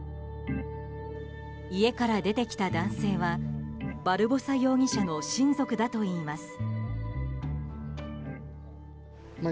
家から出てきた男性はバルボサ容疑者の親族だといいます。